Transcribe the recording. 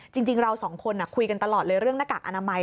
จริงเราสองคนคุยกันตลอดเลยเรื่องหน้ากากอนามัย